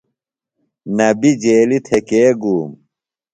نبی جیلیۡ تھےۡ کے گُوم ؟